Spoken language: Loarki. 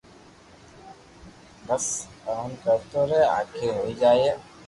بس ايم ڪرتو رھي آخر ھوئي جائين